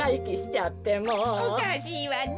おかしいわね